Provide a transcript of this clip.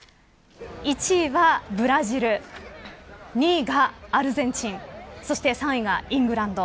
１位はブラジル２位がアルゼンチンそして、３位がイングランド。